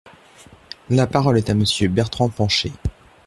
La parole est à Monsieur Bertrand Pancher.